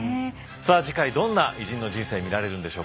さあ次回どんな偉人の人生見られるんでしょうか。